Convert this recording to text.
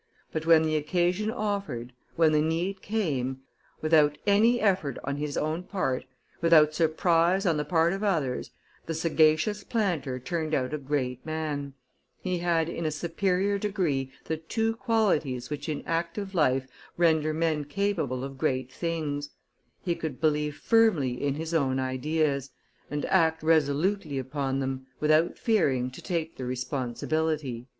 But when the occasion offered, when the need came, without any effort on his own part, without surprise on the part of others, the sagacious planter turned out a great man; he had in a superior degree the two qualities which in active life render men capable of great things: he could believe firmly in his own ideas, and act resolutely upon them, without fearing to take the responsibility."